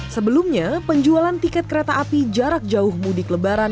sebelumnya penjualan tiket kereta api jarak jauh mudik lebaran